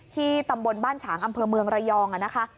ตำบลบ้านฉางอำเภอเมืองระยองนะคะ